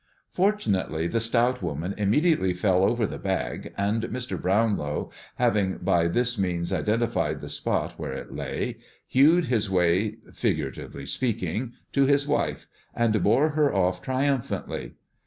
Fortunately, the stout woman immediately fell over the bag, and Mr. Brownlow, having by this means identified the spot where it lay, hewed his way, figuratively speaking, to his wife and bore her off triumphantly.